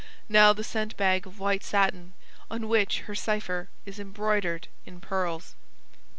"Now the scent bag of white satin, on which her cipher is embroidered in pearls."